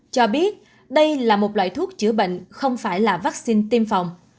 cho biết đây là một loại thuốc chữa bệnh không phải là vaccine tiêm phòng